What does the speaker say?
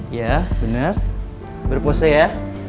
iya bener berpose ya